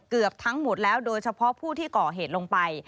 เกือบทั้งหมดแล้วโดยเฉพาะผู้ที่ก่อเหตุลงไป